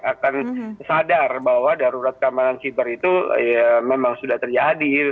akan sadar bahwa darurat keamanan siber itu memang sudah terjadi